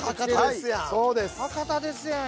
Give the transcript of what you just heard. また博多ですやん。